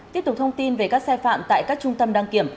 tiếp tục thông tin về các sai phạm tại các trung tâm đăng kiểm